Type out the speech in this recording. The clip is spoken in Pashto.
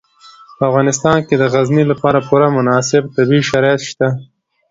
په افغانستان کې د غزني لپاره پوره مناسب طبیعي شرایط شته.